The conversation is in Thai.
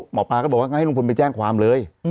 หมอปลาก็บอกว่างั้นให้ลุงพลไปแจ้งความเลย